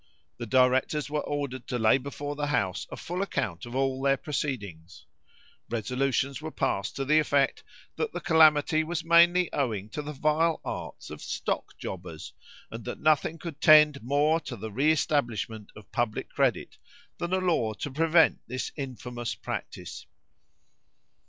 The directors were ordered to lay before the house a full account of all their proceedings. Resolutions were passed to the effect that the calamity was mainly owing to the vile arts of stock jobbers, and that nothing could tend more to the reestablishment of public credit than a law to prevent this infamous practice.